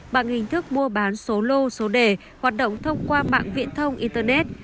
bằng hình thức mua bán số lô số đề hoạt động thông qua mạng viễn thông internet